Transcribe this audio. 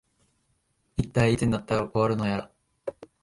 いったい、いつになったら終わるのやら